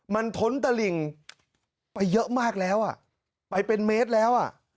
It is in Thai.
มันท้นตะหลิ่งไปเยอะมากแล้วไปเป็นเมตรแล้ว